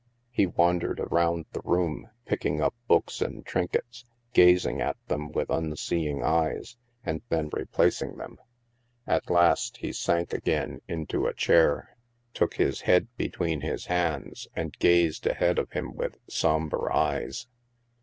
He wandered around the room, picking up books and trinkets, gazing at them with unseeing eyes, and then replacing them. At last, he sank again into a 240 THE MASK chair, took his head between his hands, and gazed ahead of him with sombre eyes.